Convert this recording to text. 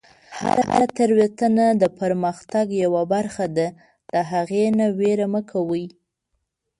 هره تیروتنه د پرمختګ یوه برخه ده، د هغې نه ویره مه کوئ.